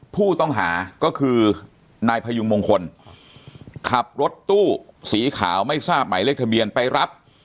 ผู้ต้องหาก็คือนายพยุงมงคลขับรถตู้สีขาวไม่ทราบหมายเลขทะเบียนไปรับ